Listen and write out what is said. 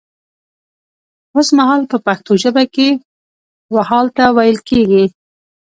وسمهال په پښتو ژبه کې و حال ته ويل کيږي